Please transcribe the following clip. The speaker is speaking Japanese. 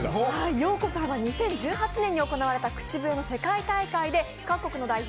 ＹＯＫＯさんは２０１８年に行われた世界の口笛大会で各国の代表